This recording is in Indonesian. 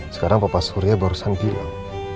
sekarang bapak surya barusan bilang